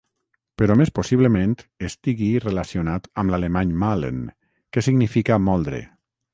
Però més possiblement estigui relacionat amb l'alemany "mahlen", que significa "moldre".